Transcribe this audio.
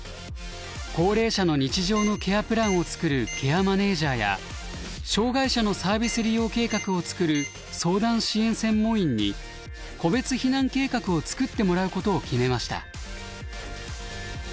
高齢者の日常のケアプランを作るケアマネジャーや障害者のサービス利用計画を作る相談支援専門員に個別避難計画を作ってもらうことを決めました。